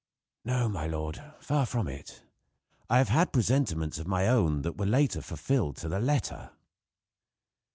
"No, my lord, far from it. I have had presentiments of my own that were later fulfilled to the letter."